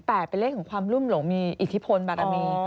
แต่เป็นเลขของความรุ่มหลงมีอิทธิพลบารมี